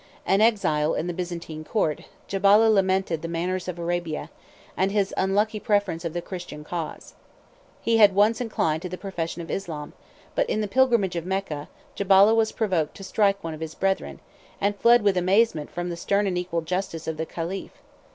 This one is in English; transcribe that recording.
An exile in the Byzantine court, Jabalah lamented the manners of Arabia, and his unlucky preference of the Christian cause. 78 He had once inclined to the profession of Islam; but in the pilgrimage of Mecca, Jabalah was provoked to strike one of his brethren, and fled with amazement from the stern and equal justice of the caliph.